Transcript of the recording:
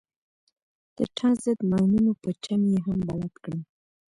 د ټانک ضد ماينونو په چم يې هم بلد کړم.